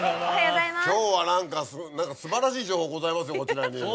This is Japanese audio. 今日は何か素晴らしい情報ございますよこちらに。